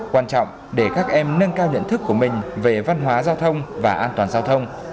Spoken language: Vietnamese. quan trọng để các em nâng cao nhận thức của mình về văn hóa giao thông và an toàn giao thông